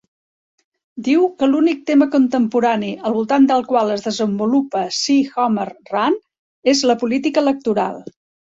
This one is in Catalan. Diu que l'únic tema contemporani al voltant del qual es desenvolupa "See Homer Run" és la "política electoral".